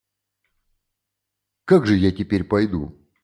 Как же я теперь пойду?